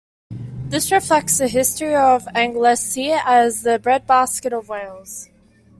This reflects the history of Anglesey as the bread-basket of Wales.